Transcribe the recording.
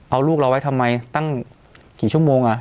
เอาลูกเราไว้ทำไมตั้งกี่ชั่วโมง